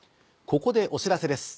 ここでお知らせです。